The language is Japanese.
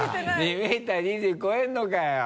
２ｍ２０ｃｍ超えるのかよ。